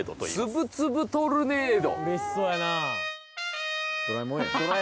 つぶつぶトルネード？